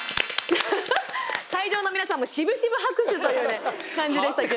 会場の皆さんもしぶしぶ拍手というね感じでしたけど。